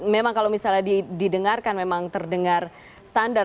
memang kalau misalnya didengarkan memang terdengar standar